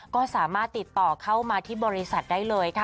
ก็สามารถติดต่อเข้ามาที่บริษัทได้เลยค่ะ